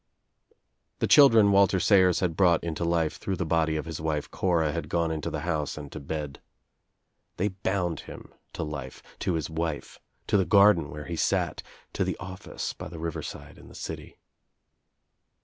The children Walter Sayers had brought into life through the body of his wife Cora had gone into the house and to bed. They bound him to life, to his wife, to the garden where he sat, to the oiEce by the riTO side in the city.